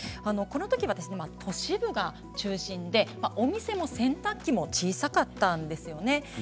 このときは都市部が中心でお店も洗濯機も小さかったんですよね。